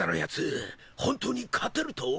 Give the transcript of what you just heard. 本当に勝てると思うか？